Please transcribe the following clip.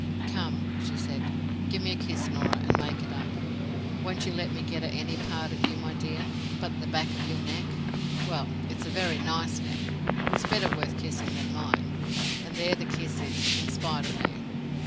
—Come!" she said, "give me a kiss, Norah, and make it up. Won't you let me get at any part of you, my dear, but the back of your neck? Well, it's a very nice neck—it's better worth kissing than mine—and there the kiss is, in spite of you!"